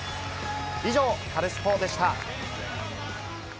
以上、カルスポっ！でした。